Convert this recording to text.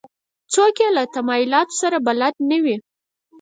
څوک چې له تمایلاتو سره بلد نه وي.